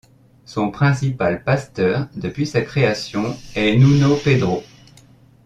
Son principal pasteur depuis sa création est Nuno Pedro.